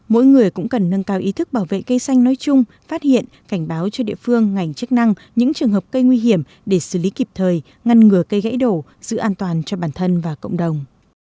mỗi người cũng cần nâng cao ý thức bảo vệ cây xanh nói chung phát hiện cảnh báo cho địa phương ngành chức năng những trường hợp cây nguy hiểm để xử lý kịp thời ngăn ngừa cây gãy đổ giữ an toàn cho bản thân và cộng đồng